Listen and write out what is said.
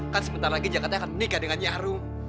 kan sebentar lagi jakata akan menikah dengan nyi arum